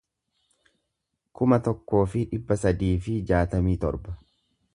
kuma tokkoo fi dhibba sadii fi jaatamii torba